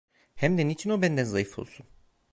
Hem de niçin o benden zayıf olsun?